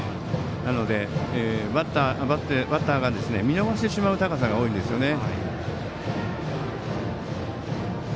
なのでバッターが見逃してしまう高さが多いんですよね。